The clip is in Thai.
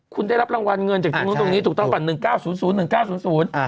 คุณได้รับรางวัลเงินจากทางนู้นตรงนี้ถูกต้องกับ๑๙๐๐๑๙๐๐